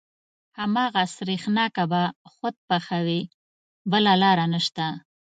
هماغه سرېښناکه به خود پخوې بله لاره نشته.